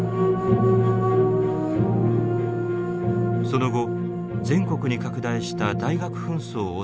その後全国に拡大した大学紛争を抑え込む